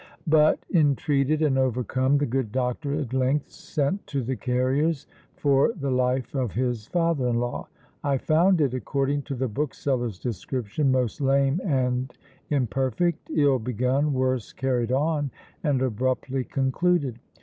But entreated and overcome, the good doctor at length sent to the carrier's for the life of his father in law. "I found it, according to the bookseller's description, most lame and imperfect; ill begun, worse carried on, and abruptly concluded."